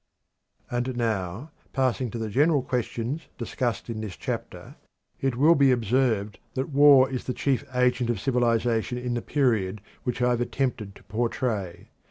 And now, passing to the general questions discussed in this chapter, it will be observed that war is the chief agent of civilisation in the period which I have attempted to portray.